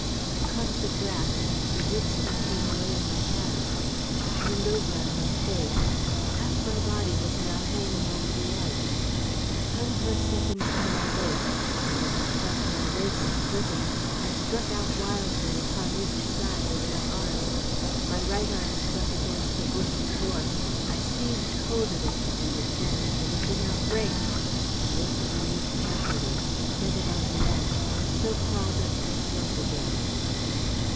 I caught at the grass, and the roots of it came away in my hands. I turned over on my face. Half my body was now hanging over the edge. I hung for a second by my waist, and as I felt my waist slipping, I struck out wildly upon each side with my arms. My right arm struck against a bush of gorse; I seized hold of it, and it bent, but it did not break. I lifted a knee carefully, set it on the edge, and so crawled up the slope again.